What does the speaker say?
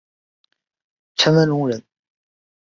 陈文龙人。